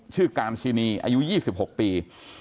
ชื่อการซีนีอายุ๒๖ปี